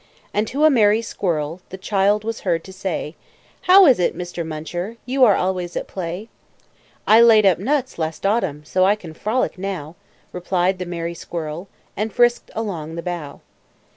And to a merry squirrel The child was heard to say "How is it, Mr. Muncher, You always are at play?" "I laid up nuts, last autumn, So I can frolic now," Replied the merry squirrel, And frisked along the bough.